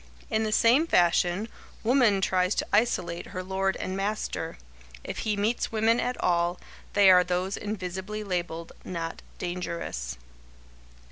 In the same fashion, woman tries to isolate her lord and master. If he meets women at all, they are those invisibly labeled "not dangerous."